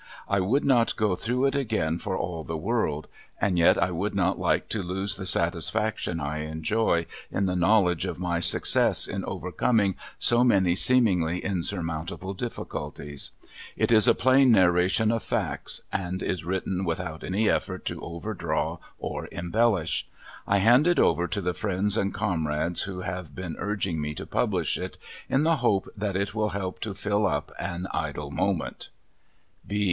I would not go through it again for all the world, and yet I would not like to lose the satisfaction I enjoy in the knowledge of my success in overcoming so many seemingly insurmountable difficulties. It is a plain narration of facts, and is written without any effort to overdraw or embellish. I hand it over to the friends and comrades who have been urging me to publish it, in the hope that it will help to fill up an idle moment.